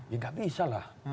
ya nggak bisa lah